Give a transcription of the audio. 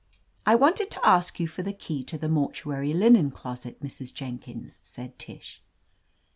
"I wanted to ask you for the key to the mortuary linen closet, Mrs. Jenkins," said Tish.